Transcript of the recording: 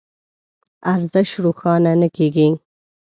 ارزش روښانه نه کېږي.